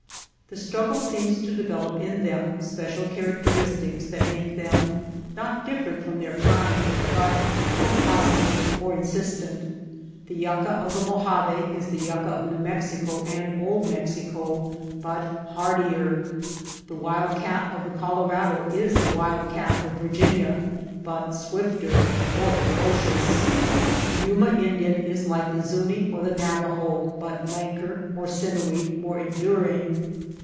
The struggle seems to develop in them special characteristics and make them, not different from their kind ; but more positive, more insistent The yucca 150 DESERT ANIMALS 161 of the Mojave is the yucca of New Mexico and Old Mexico but hardier ; the wild cat of the Colorado is the wild cat of Virginia but swifter, more ferocious ; the Yuma Indian is like the Zuni or the Navajo but lanker, more sinewy, more enduring.